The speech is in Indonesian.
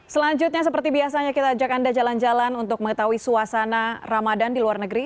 selanjutnya seperti biasanya kita ajak anda jalan jalan untuk mengetahui suasana ramadan di luar negeri